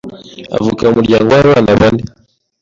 avuka mu muryango w’abana bane